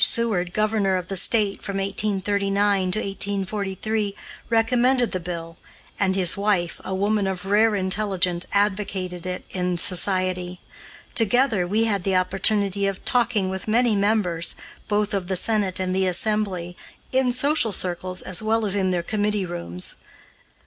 Seward, Governor of the State from 1839 to 1843, recommended the Bill, and his wife, a woman of rare intelligence, advocated it in society. Together we had the opportunity of talking with many members, both of the Senate and the Assembly, in social circles, as well as in their committee rooms.